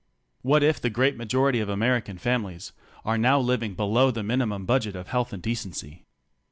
What if the great majority of American families are now living below the minimum budget of health and decency?